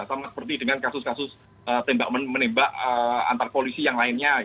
sama seperti dengan kasus kasus tembak menembak antar polisi yang lainnya